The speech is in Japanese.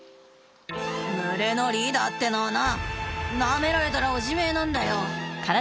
「群れのリーダーってのはなあなめられたらおしめなんだよ！